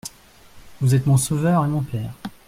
Vous êtes mon sauveur et mon père.